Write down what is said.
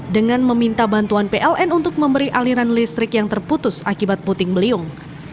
dengan meminta bantuan pln untuk memberi aliran listrik yang terputus akibat puting beliung